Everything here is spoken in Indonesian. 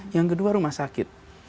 yang kedua rumah sakit